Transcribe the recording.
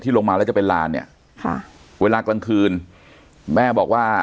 ลงมาแล้วจะเป็นลานเนี่ยค่ะเวลากลางคืนแม่บอกว่า